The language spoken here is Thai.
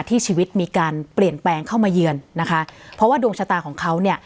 ชีวิตมีการเปลี่ยนแปลงเข้ามาเยือนนะคะเพราะว่าดวงชะตาของเขาเนี่ย